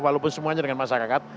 walaupun semuanya dengan masyarakat